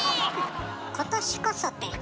「今年こそ」て。